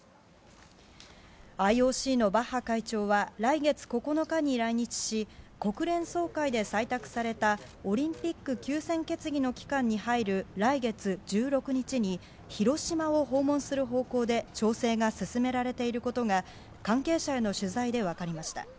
ＩＯＣのバッハ会長は来月９日に来日し国連総会で採択されたオリンピック休戦決議の期間に入る来月１６日に広島を訪問する方向で調整が進められていることが関係者への取材で分かりました。